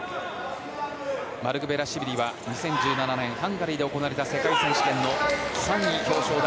マルクベラシュビリは２０１７年ハンガリーで行われた世界選手権の３位、表彰台。